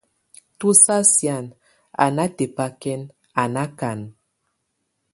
Tu sa sían a natebakɛn, a nákan.